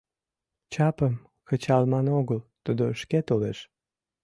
Чапым кычалман огыл, тудо шке толеш.